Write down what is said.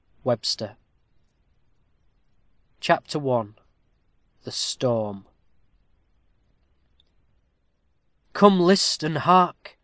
WEBSTER. CHAPTER I THE STORM Come, list, and hark!